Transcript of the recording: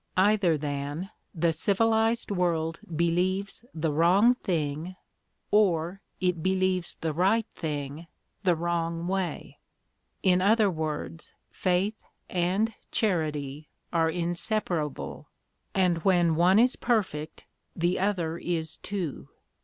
Either, then, the civilised world believes the wrong thing, or it believes the right thing the wrong way. In other words, faith and charity are inseparable, and when one is perfect the other is too.